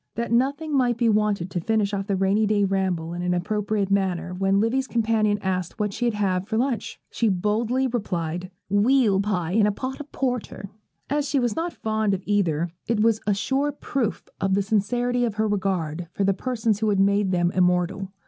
That nothing might be wanting to finish off the rainy day ramble in an appropriate manner, when Livy's companion asked what she'd have for lunch, she boldly replied, 'Weal pie and a pot of porter.' As she was not fond of either, it was a sure proof of the sincerity of her regard for the persons who have made them immortal.